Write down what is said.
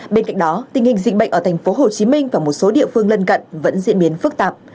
bên cạnh đó tình hình dịch bệnh ở thành phố hồ chí minh và một số địa phương lân cận vẫn diễn biến phức tạp